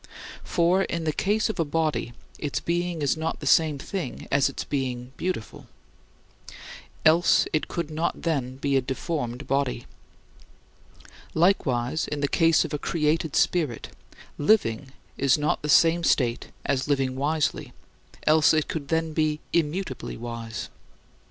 For, in the case of a body, its being is not the same thing as its being beautiful; else it could not then be a deformed body. Likewise, in the case of a created spirit, living is not the same state as living wisely; else it could then be immutably wise.